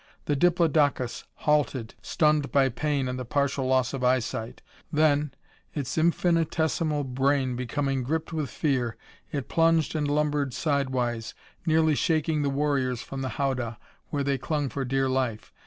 The diplodocus halted, stunned by pain and the partial loss of eyesight; then, its infinitesimal brain becoming gripped with fear, it plunged and lumbered sidewise, nearly shaking the warriors from the howdah, where they clung for dear life.